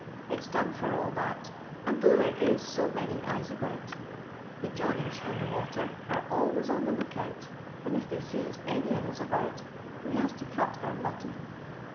It 's done for all that, and though there u so many eyes about The "Johnnys" on the water are always on the look out, and if they sees any on us about, we has to cut our lucky.